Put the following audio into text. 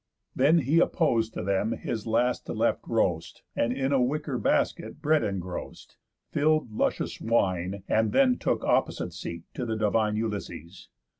Then he appos'd to them his last left roast, And in a wicker basket bread engrost, Fill'd luscious wine, and then took opposite seat To the divine Ulysses.